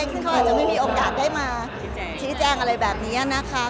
ซึ่งเขาอาจจะไม่มีโอกาสได้มาชี้แจ้งอะไรแบบนี้นะคะ